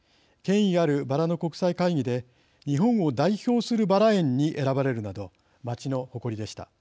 権威あるバラの国際会議で日本を代表するバラ園に選ばれるなど町の誇りでした。